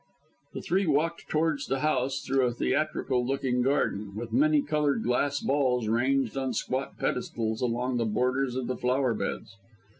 The three walked towards the house through a theatrical looking garden, with many coloured glass balls ranged on squat pedestals along the borders of the flower beds.